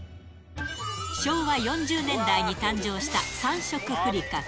昭和４０年代に誕生した３色ふりかけ。